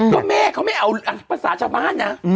ก็แม่เขาไม่เอาภาษาชาวบ้านนะ